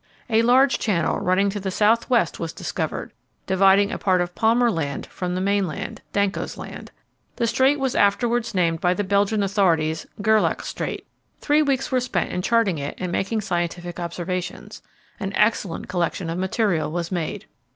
A large channel running to the south west was discovered, dividing a part of Palmer Land from the mainland Danco's Land. The strait was afterwards named by the Belgian authorities "Gerlache Strait." Three weeks were spent in charting it and making scientific observations. An excellent collection of material was made.